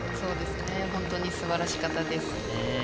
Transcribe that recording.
本当に素晴らしかったです。